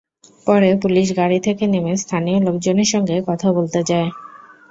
পরে পুলিশ গাড়ি থেকে নেমে স্থানীয় লোকজনের সঙ্গে কথা বলতে যায়।